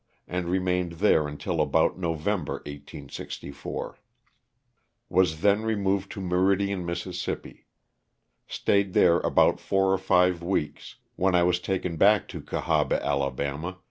and remained there until about November, 1864. Was then removed to Meridian, Miss. Stayed there about four or five weeks, when I was taken back to Cahaba, Ala.